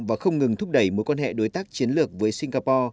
và không ngừng thúc đẩy mối quan hệ đối tác chiến lược với singapore